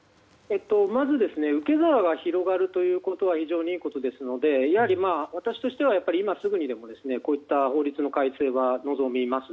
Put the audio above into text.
まず受け皿が広がることは非常にいいことですのでやはり私としては、今すぐにこういった法律の改正は望みます。